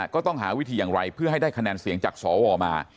ก็ต้องหาวิธีอย่างไรเพื่อให้ได้คะแนนเสียงจากสวมา